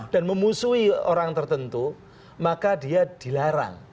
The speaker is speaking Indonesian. dan memusuhi orang tertentu maka dia dilarang